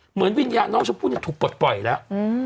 เหมือนวิญญาณน้องชมพู่ถูกปลดปล่อยแล้ว